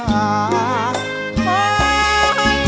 เฮ้ยใจจะบ้าแล้วต่อมาจะมีอะไร